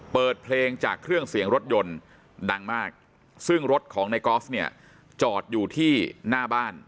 เปิดเพลงจากเครื่องเสียงรถยนต์ดังมากซึ่งรถของในกอล์ฟเนี่ยจอดอยู่ที่หน้าบ้าน